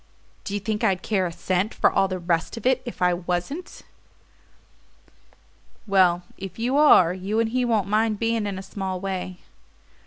"Do you think I'd care a cent for all the rest of it if I wasn't?" "Well, if you are, you and he won't mind beginning in a small way."